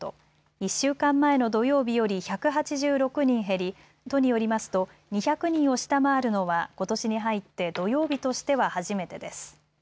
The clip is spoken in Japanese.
１週間前の土曜日より１８６人減り、都によりますと２００人を下回るのはことしに入って土曜日としては初めてです。